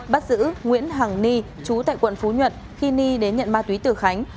bắt giữ nguyễn hằng ni trú tại quận phú nhuận khi ni đến nhận ma túy từ khánh